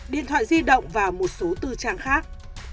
điện thoại di động và một số tư trang khác